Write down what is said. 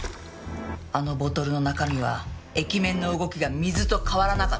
あのボトルの中身は液面の動きが水と変わらなかった。